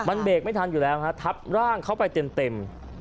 มันเบรกไม่ทันอยู่แล้วฮะทับร่างเขาไปเต็ม